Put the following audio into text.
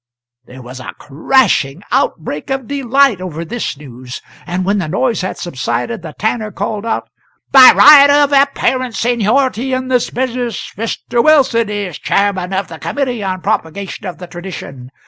There was a crashing outbreak of delight over this news, and when the noise had subsided, the tanner called out: "By right of apparent seniority in this business, Mr. Wilson is Chairman of the Committee on Propagation of the Tradition.